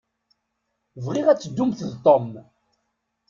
Bɣiɣ ad ddumt d Tom.